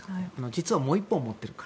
実はもう１本持ってる。